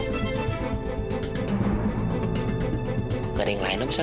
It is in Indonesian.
bukan ada yang lain apa sat